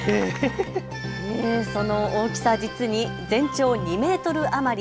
その大きさ実に全長２メートル余り。